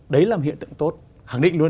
đấy là một hiện tượng tốt hẳn định luôn